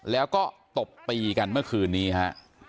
แล้วก็ตบตีกันเมื่อคืนนี้ฮะ